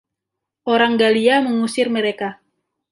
Orang Galia mengusir mereka.